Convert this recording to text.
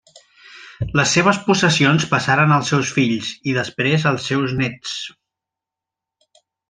Les seves possessions passaren als seus fills, i després als seus néts.